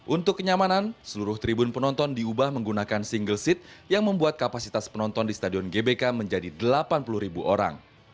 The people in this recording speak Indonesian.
untuk kenyamanan seluruh tribun penonton diubah menggunakan single seat yang membuat kapasitas penonton di stadion gbk menjadi delapan puluh ribu orang